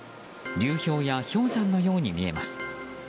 流氷や氷山のように見えます。